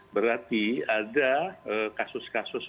berarti ada kasus kasus